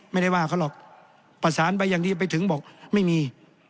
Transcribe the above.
ไม่ได้ว่าเขาหรอกประสานไปอย่างดีไปถึงบอกไม่มี